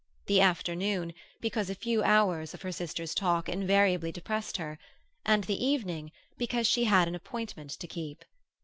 The afternoon, because a few hours of her sisters' talk invariably depressed her; and the evening, because she had an appointment to keep.